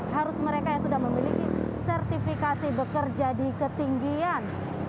harus mereka yang sudah memiliki sertifikasi bekerja di ketinggian